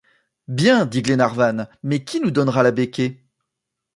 Bien! dit Glenarvan, mais qui nous donnera la becquée?